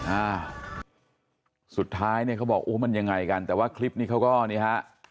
อ่าสุดท้ายเนี่ยเขาบอกโอ้มันยังไงกันแต่ว่าคลิปนี้เขาก็นี่ฮะ